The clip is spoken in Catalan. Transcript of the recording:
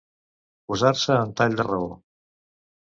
Posar-se en tall de raó.